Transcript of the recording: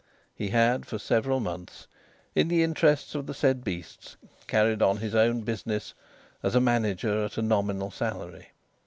He had for several months, in the interests of the said beasts, carried on his own business as manager at a nominal salary.